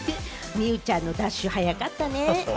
望結ちゃんのダッシュ、速かったね。